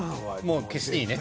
もう消していいね。